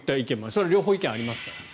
それは両方、意見ありますから。